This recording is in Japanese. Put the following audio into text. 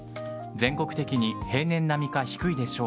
全国的に平年並みか低いでしょう。